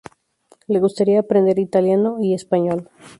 Le gustaría aprender italiano y español.